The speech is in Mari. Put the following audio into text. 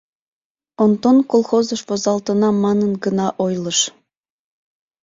Онтон колхозыш возалтынам манын гына ойлыш.